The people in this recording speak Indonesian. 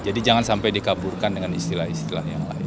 jadi jangan sampai dikaburkan dengan istilah istilah yang lain